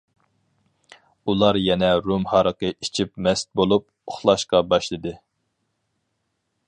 ئۇلار يەنە رۇم ھارىقى ئىچىپ مەست بولۇپ ئۇخلاشقا باشلىدى.